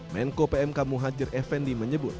menko pmk muhajir effendi menyebut